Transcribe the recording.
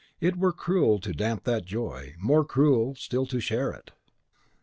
It were cruel to damp that joy, more cruel still to share it.